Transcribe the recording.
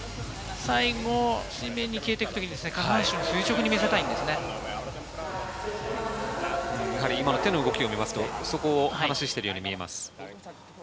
最後水面に消えていく時に下手の動きを見ますと、そこを話してるように見えます。